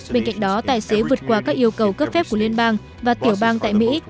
bên cạnh đó tài xế vượt qua các yêu cầu cấp phép của liên bang và tiểu bang tại mỹ